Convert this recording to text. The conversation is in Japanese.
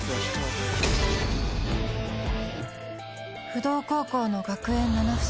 不動高校の学園七不思議。